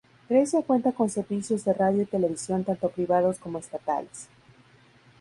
Grecia cuenta con servicios de radio y televisión tanto privados como estatales.